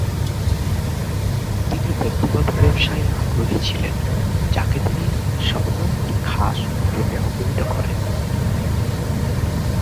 তিনি ব্যক্তিগত ব্যবসায়ে আগ্রহী ছিলেন যাকে তিনি ‘সওদা-ই-খাস’ রূপে অভিহিত করেন।